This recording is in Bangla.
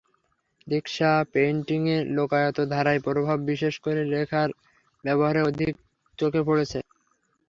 রিকশা পেইন্টিংয়ে লোকায়ত ধারার প্রভাব, বিশেষ করে রেখার ব্যবহারে অধিক চোখে পড়ে।